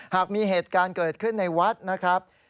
หากมีเหตุการณ์เกิดขึ้นในวัดนะครับ